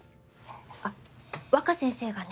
あっ若先生がね